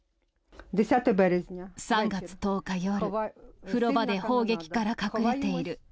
３月１０日夜、風呂場で砲撃から隠れている。